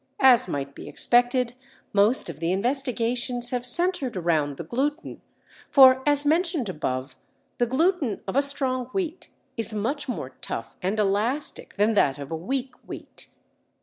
As might be expected most of the investigations have centred round the gluten, for as mentioned above the gluten of a strong wheat is much more tough and elastic than that of a weak wheat.